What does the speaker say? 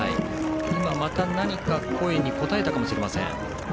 また、何か声に応えたかもしれません。